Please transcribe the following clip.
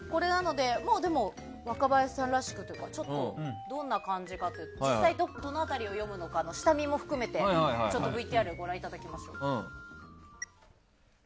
若林さんらしくというかどんな感じなのかどの辺りを読むのかも下見も含めてＶＴＲをご覧いただきましょう。